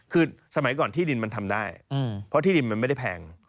คือสมัยก่อนที่ดินมันทำได้เพราะที่ดินมันไม่ได้แพง